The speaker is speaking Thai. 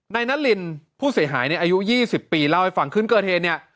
ในนัทลินผู้เสียหายเนี่ยอายุ๒๐ปีเล่าให้ฝังขึ้นเกอเทนเนี่ย